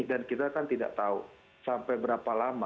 dan kita kan tidak tahu sampai berapa lama